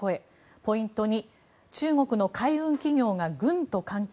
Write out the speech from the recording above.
ポイント２中国の海運企業が軍と関係。